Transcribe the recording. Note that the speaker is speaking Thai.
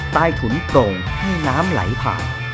ใต้ถุนโปร่งให้น้ำไหลผ่าน